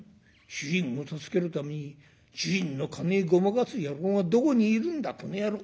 主人を助けるために主人の金ごまかす野郎がどこにいるんだコノヤロー。